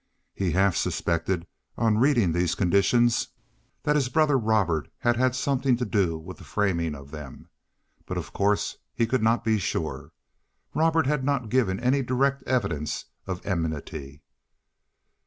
He half suspected, on reading these conditions, that his brother Robert had had something to do with the framing of them, but of course he could not be sure. Robert had not given any direct evidence of enmity.